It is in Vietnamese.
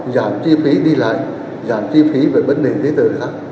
giảm chi phí đi lại giảm chi phí về vấn đề thế tư